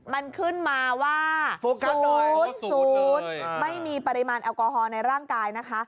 มันขึ้นมาว่ากระสุนไม่มีปริมาณแอลกอฮอลในร่างกายนะคะ